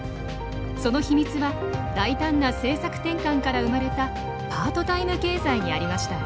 その秘密は大胆な政策転換から生まれたパートタイム経済にありました。